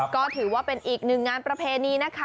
ก็ถือว่าเป็นอีกหนึ่งงานประเพณีนะคะ